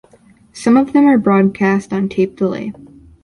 Some of them are broadcast on tape-delay.